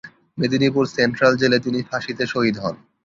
Medinipur central জেলে তিনি ফাঁসিতে শহীদ হন।